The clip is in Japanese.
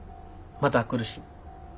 また来るし。